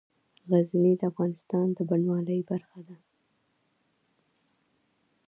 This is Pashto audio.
غزني د افغانستان د بڼوالۍ برخه ده.